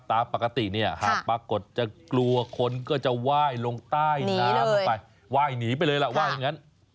ตามปกติเนี่ยหากปรากฏจะกลัวคนก็จะไหว้ลงใต้น้ำลงไปไหว้หนีไปเลยล่ะว่าอย่างนั้น